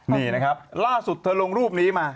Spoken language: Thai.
นี่นะครับล่าสุดเธอลงรูปนี้มา